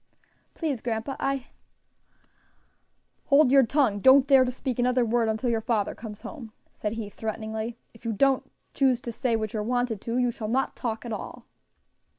"Please, grandpa, I " "Hold your tongue! don't dare to speak another word until your father comes home," said he, threateningly. "If you don't choose to say what you're wanted to, you shall not talk at all."